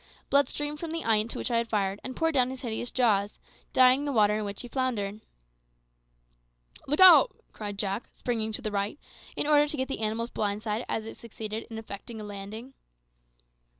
Blood streamed from the eye into which I had fired, and poured down his hideous jaws, dyeing the water in which he floundered. "Look out!" cried Jack, springing to the right, in order to get on the animal's blind side as it succeeded in effecting a landing.